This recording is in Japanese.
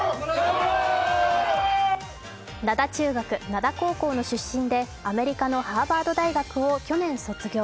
灘中学・灘高校の出身でアメリカのハーバード大学を去年卒業。